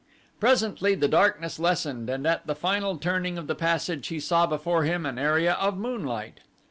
Presently the darkness lessened and at the final turning of the passage he saw before him an area of moonlight.